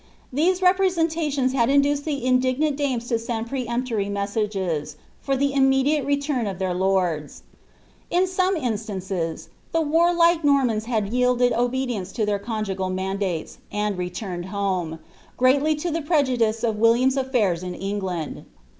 These representations had induced the indignant dames to send peremp tory inestages, for the immediate retiini of their lords. In some instances liie warlike Nonnans had yielded obedience to ttieso conjugal laandates, and rMurned home, greatly to the prejudice of William's ai&irti in Eng land.